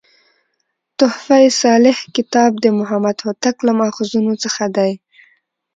"تحفه صالح کتاب" د محمد هوتک له ماخذونو څخه دﺉ.